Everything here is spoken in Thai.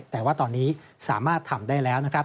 แต่ว่าตอนนี้สามารถทำได้แล้วนะครับ